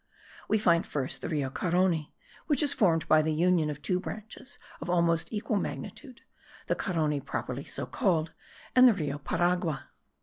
We find first the Rio Carony, which is formed by the union of two branches of almost equal magnitude, the Carony properly so called, and the Rio Paragua.